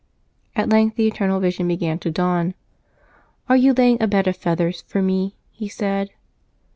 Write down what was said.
At length the eternal vision began to dawn. " Are you laying a bed of feathers for me?" he said.